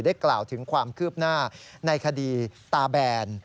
กล่าวถึงความคืบหน้าในคดีตาแบน